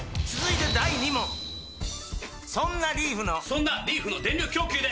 そんなリーフのそんなリーフの電力供給で！